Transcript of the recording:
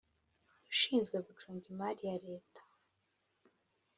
ushinzwe Gucunga Imari ya Leta